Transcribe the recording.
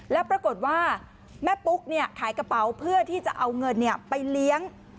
แล้วปรากฏว่าแม่ปุ๊กขายกระเป๋าเพื่อที่จะเอาเงินไปเลี้ยง